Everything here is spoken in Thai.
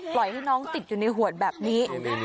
ปล่อยให้น้องติดอยู่ในหวดแบบนี้